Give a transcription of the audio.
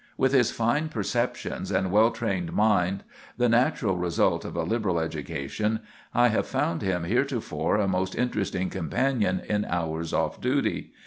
With his fine perceptions and well trained mind, the natural result of a liberal education, I have found him heretofore a most interesting companion in hours off duty.